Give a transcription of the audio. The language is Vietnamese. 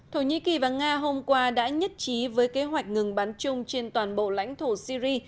thổ nhĩ kỳ và nga hôm qua đã nhất trí với kế hoạch ngừng bắn chung trên toàn bộ lãnh thổ syri